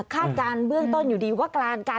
คาดการณ์เบื้องต้นอยู่ดีว่าการ